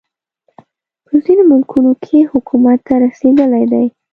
په ځینو ملکونو کې حکومت ته رسېدلی دی.